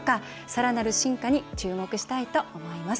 さらなる進化に注目したいと思います。